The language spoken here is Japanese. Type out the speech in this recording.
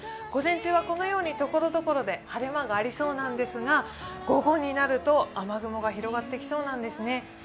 午前中はこのようにところどころで晴れ間がありそうなんですが午後になると雨雲が広がってきそうなんですね。